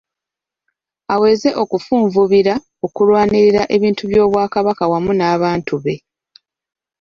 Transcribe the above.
Aweze okufunvubira okulwanirira ebintu by’Obwakabaka wamu n’abantu be.